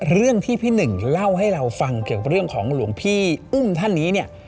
เรื่องที่พี่หนึ่งเล่าให้เราฟังเกี่ยวกับเรื่องของหลวงพี่อุ้มท่านนี้เนี่ย